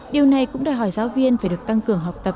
điều này cũng đòi hỏi giáo viên phải được tăng cường học tập